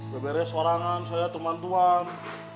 bebera sorangan soalnya teman tuan